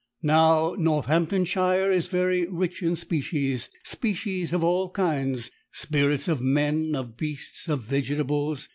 Now Northamptonshire is very rich in species; species of all kinds; spirits of men, of beasts, of vegetables!